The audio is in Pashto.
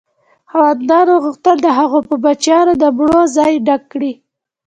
خاوندانو غوښتل د هغو په بچیانو د مړو ځای ډک کړي.